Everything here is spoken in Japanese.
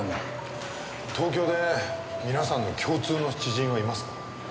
東京で皆さんの共通の知人はいますか？